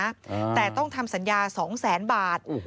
อืมแต่ต้องทำสัญญาสองแสนบาทโอ้โห